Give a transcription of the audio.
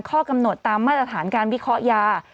ข้อกำหนดตามมาตรฐานการวิเคราะห์ยา